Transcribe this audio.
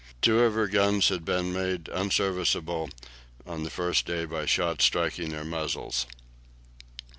Two of her guns had been made unserviceable on the first day by shots striking their muzzles.